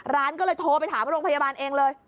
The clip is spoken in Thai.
ร้านก็เลยโทรไปถามโรงพยาบาลเองเลย